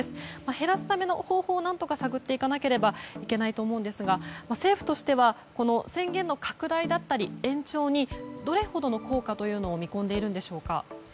減らすための方法を何とか探っていかなければいけないと思うんですが政府としては宣言の拡大だったり延長にどれほどの効果を見込んでいるんでしょうか？